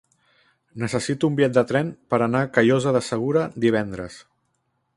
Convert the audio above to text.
Necessito un bitllet de tren per anar a Callosa de Segura divendres.